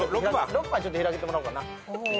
６番ちょっと開けてもらおうかな。